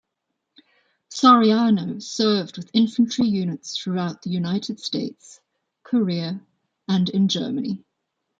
Soriano served with infantry units throughout the United States, Korea, and in Germany.